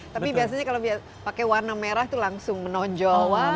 tapi biasanya kalau pakai warna merah itu langsung menonjol